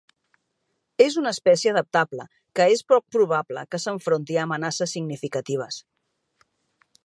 És una espècie adaptable que és poc probable que s'enfronti a amenaces significatives.